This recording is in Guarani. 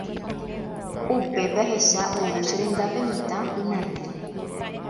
Upépe ahecha ou che rendápe mitã pynandi.